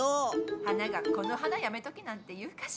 花が「この花やめとけ」なんて言うかしら？